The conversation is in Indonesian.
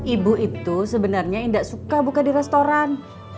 ibu itu sebenarnya tidak suka buka di restoran